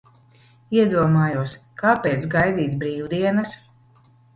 Iedomājos, kāpēc gaidīt brīvdienas?